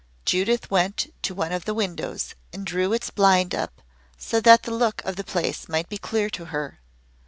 Judith went to one of the windows and drew its blind up so that the look of the place might be clear to her.